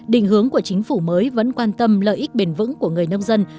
định hướng của chính phủ mới vẫn quan tâm lợi ích bền vững của người nông dân